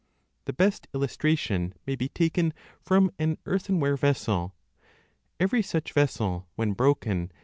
The best illustration may be taken from an earthenware vessel ; every such vessel when broken